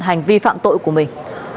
hành vi phạm tội của mình